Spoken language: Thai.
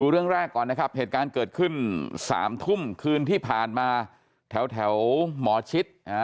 เรื่องแรกก่อนนะครับเหตุการณ์เกิดขึ้น๓ทุ่มคืนที่ผ่านมาแถวหมอชิด